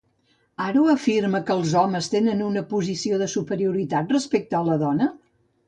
Haro afirma que els homes tenen una posició de superioritat respecte a la dona?